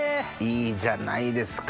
いいじゃないですか。